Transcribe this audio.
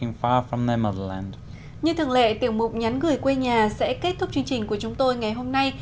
như thường lệ tiểu mục nhắn gửi quê nhà sẽ kết thúc chương trình của chúng tôi ngày hôm nay